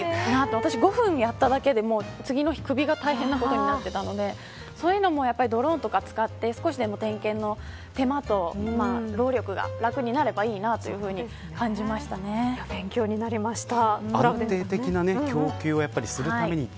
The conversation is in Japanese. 私は５分やっただけでも次の日、首が大変なことになっていたのでそういうのも、ドローンとかを使って、少しでも点検の手間と労力が楽になればいいな勉強になりました。